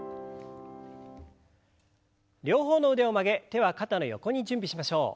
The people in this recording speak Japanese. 両方の腕を曲げ手は肩の横に準備しましょう。